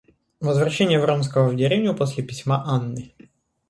Возвращение Вронского в деревню после письма Анны.